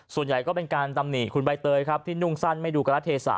ส่วนใหญ่ก็เป็นการตำหนิคุณใบเตยครับที่นุ่งสั้นไม่ดูการละเทศะ